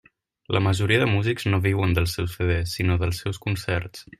La majoria dels músics no viuen dels seus CD, sinó dels seus concerts.